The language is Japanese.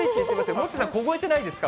モッチーさん、凍えてないですか？